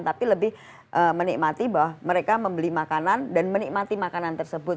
tapi lebih menikmati bahwa mereka membeli makanan dan menikmati makanan tersebut